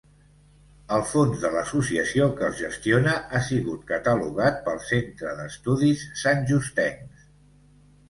El fons de l'associació que els gestiona ha sigut catalogat pel Centre d'Estudis Santjustencs.